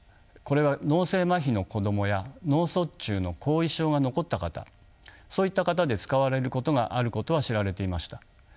これは脳性まひの子供や脳卒中の後遺症が残った方そういった方で使われることがあることは知られていました。